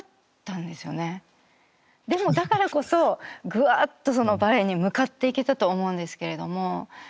でもだからこそグワッとバレエに向かっていけたと思うんですけれども。